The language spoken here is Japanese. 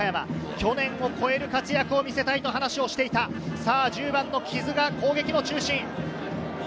去年を超える活躍を見せたいと話をしていた１０番の木津が攻撃の中心。